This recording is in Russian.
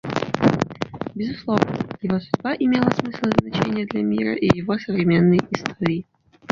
Безусловно, его судьба имела смысл и значение для мира и его современной истории.